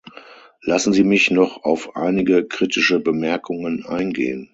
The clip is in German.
Lassen Sie mich noch auf einige kritische Bemerkungen eingehen.